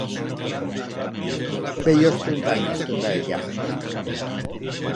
Bellos trenta anyos tendrá ella.